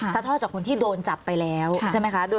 ทอดจากคนที่โดนจับไปแล้วใช่ไหมคะ